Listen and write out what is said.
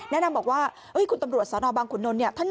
แนะนำบอกว่าคุณตำรวจสนบางขุนนท์เนี่ย